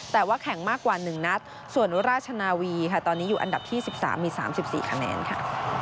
แต่ว่าแข็งมากกว่าหนึ่งนัดส่วนราชนาวีค่ะตอนนี้อยู่อันดับที่สิบสามมีสามสิบสี่คะแนนค่ะ